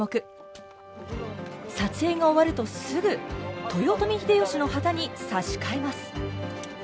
撮影が終わるとすぐ豊臣秀吉の旗に差し替えます。